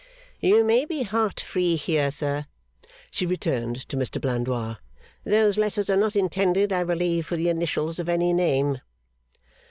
'You may be heart free here, sir,' she returned to Mr Blandois. 'Those letters are not intended, I believe, for the initials of any name.